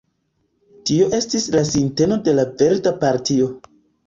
Tio estis la sinteno de la Verda Partio.